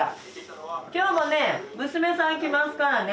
今日もね娘さん来ますからね。